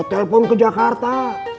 kita bisa telpon ke jakarta